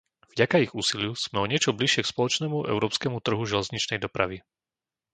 Vďaka ich úsiliu sme o niečo bližšie k spoločnému európskemu trhu železničnej dopravy.